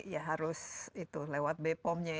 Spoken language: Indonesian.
seharusnya lewat bepomnya